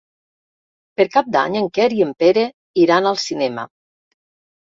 Per Cap d'Any en Quer i en Pere iran al cinema.